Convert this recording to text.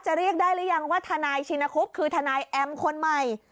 เรียกได้หรือยังว่าทนายชินคุบคือทนายแอมคนใหม่